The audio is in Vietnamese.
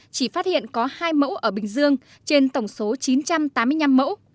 chỉ phát hiện có hai mẫu ở bình dương trên tổng số chín trăm tám mươi năm mẫu